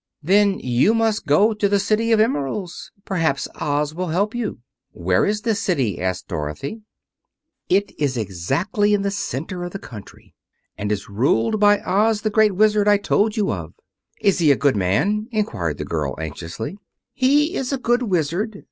"Then you must go to the City of Emeralds. Perhaps Oz will help you." "Where is this city?" asked Dorothy. "It is exactly in the center of the country, and is ruled by Oz, the Great Wizard I told you of." "Is he a good man?" inquired the girl anxiously. "He is a good Wizard.